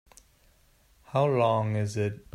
How long is it?